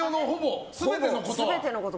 全てのこと。